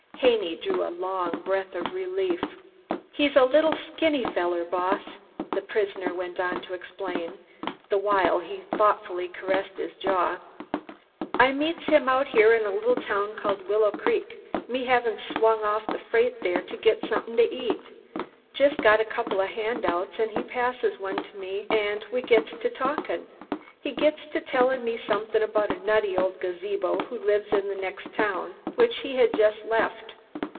Haney drew a long breath of relief. "He's a little, skinny feller, Boss," the prisoner went on to explain, the while he thoughtfully caressed his jaw. "I meets him out here in a little town called Willow Creek, me havin' swung off a freight there to git somethin' to eat. He's just got a couple of handouts an' he passes one to me, an' we gits to talkin'. He gits to tellin' me somethin' about a nutty old gazebo who lives in the next town, which he had just left.